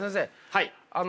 はい。